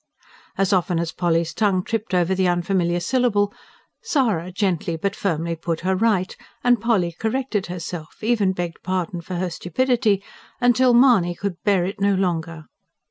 As often as Polly's tongue tripped over the unfamiliar syllable, Sara gently but firmly put her right; and Polly corrected herself, even begged pardon for her stupidity, till Mahony could bear it no longer.